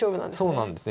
そうなんです。